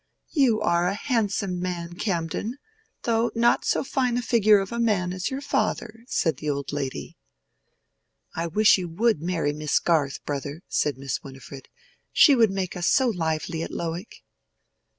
"You are a handsome man, Camden: though not so fine a figure of a man as your father," said the old lady. "I wish you would marry Miss Garth, brother," said Miss Winifred. "She would make us so lively at Lowick."